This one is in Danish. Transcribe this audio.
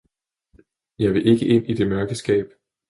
Jeg vil ikke ind i det mørke skab!